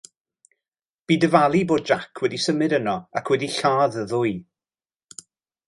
Bu dyfalu bod Jack wedi symud yno ac wedi lladd y ddwy.